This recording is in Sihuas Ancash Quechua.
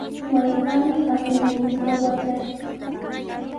Wallpaami hatun runtuta watrashqa.